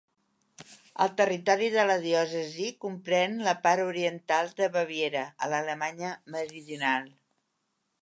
El territori de la diòcesi comprèn la part oriental de Baviera, a l'Alemanya meridional.